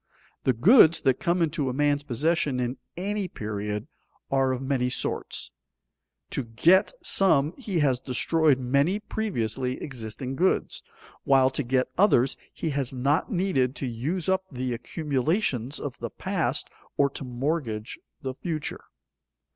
The goods that come into a man's possession in any period are of many sorts: to get some he has destroyed many previously existing goods; while to get others he has not needed to use up the accumulations of the past or to mortgage the future.